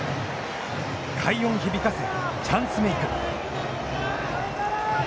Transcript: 快音響かせチャンスメーク。